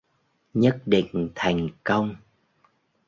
nhất định thành công